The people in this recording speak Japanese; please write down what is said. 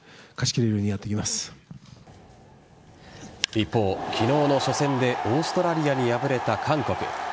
一方、昨日の初戦でオーストラリアに敗れた韓国。